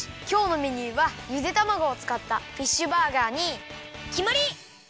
きょうのメニューはゆでたまごをつかったフィッシュバーガーにきまり！